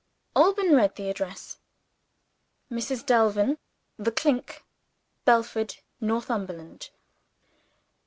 Alban read the address: "Mrs. Delvin, The Clink, Belford, Northumberland."